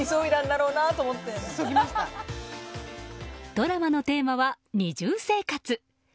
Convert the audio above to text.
ドラマのテーマは、二重生活。